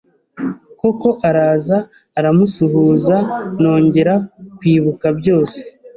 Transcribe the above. koko araza aramusuhuza nongera kwibuka byose